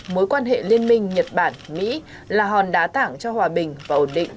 mối quan hệ liên minh nhật bản mỹ là hòn đá tảng cho hòa bình và ổn định